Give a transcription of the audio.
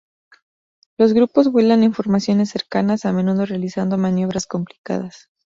Los grupos vuelan en formaciones cercanas, a menudo realizando maniobras complicadas.